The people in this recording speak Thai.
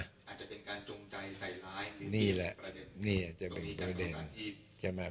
อาจจะเป็นการจงใจใส่ร้ายนี่แหละนี่อาจจะเป็นใช่ไหม